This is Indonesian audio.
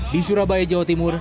di surabaya jawa timur